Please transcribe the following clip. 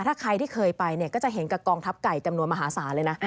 ถ้าใครที่เคยไปเนี่ยก็จะเห็นกับกองทัพไก่จำนวนมหาศาลเลยนะ